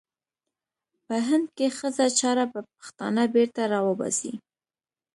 په هند کې ښخه چاړه به پښتانه بېرته را وباسي.